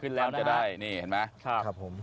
ขึ้นแล้วนะครับ